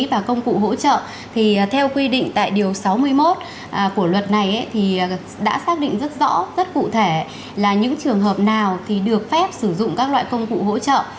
và công cụ hỗ trợ thì theo quy định tại điều sáu mươi một của luật này thì đã xác định rất rõ rất cụ thể là những trường hợp nào thì được phép sử dụng các loại công cụ hỗ trợ